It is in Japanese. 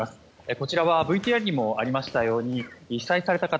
こちらはＶＴＲにもありましたように被災された方